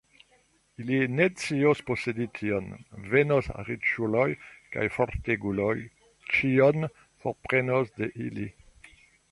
Ili ne scios posedi tion; venos riĉuloj kaj forteguloj, ĉion forprenos de ili.